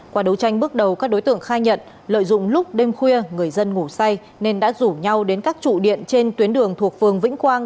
qua đấu tranh bước đầu các đối tượng khai nhận lợi dụng lúc đêm khuya người dân ngủ say nên đã rủ nhau đến các trụ điện trên tuyến đường thuộc phường vĩnh quang